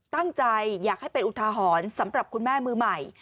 ตั้งใจอยากให้เป็นอุทาหรณ์สำหรับคุณแม่มือใหม่